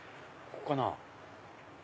ここかなぁ。